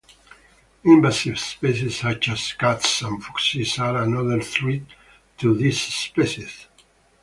Invasive species such as cats and foxes are another threat to this species.